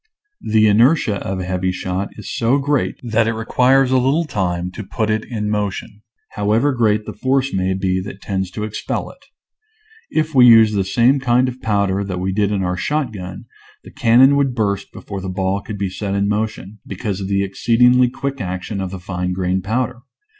The inertia of a heavy shot is so great that it requires a little time to put it in motion, however great the force may be that tends to expel it. If we used the same kind of powder that we did in our shotgun the cannon would burst before the ball could be set in motion, because of the ex ceedingly quick action of the fine grain pow der.